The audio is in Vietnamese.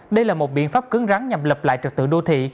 đây là một biện pháp cứng rắn nhằm lập lại trật tự đô thị